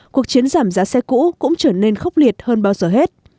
cuộc chiến giảm giá xe cũ cũng trở nên khốc liệt hơn bao giờ hết